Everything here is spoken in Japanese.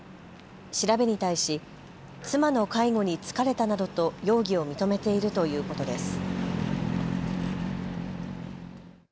調べに対し妻の介護に疲れたなどと容疑を認めているということです。